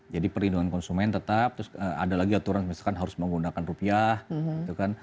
jadi perlindungan konsumen tetap terus ada lagi aturan misalkan harus menggunakan rupiah gitu kan